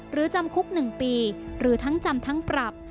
จำคุก๑ปีหรือทั้งจำทั้งปรับ